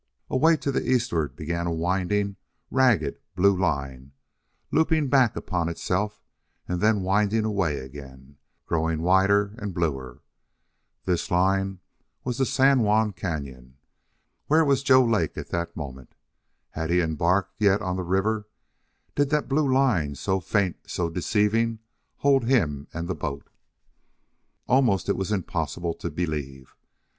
Away to the eastward began a winding, ragged, blue line, looping back upon itself, and then winding away again, growing wider and bluer. This line was the San Juan Cañon. Where was Joe Lake at that moment? Had he embarked yet on the river did that blue line, so faint, so deceiving, hold him and the boat? Almost it was impossible to believe.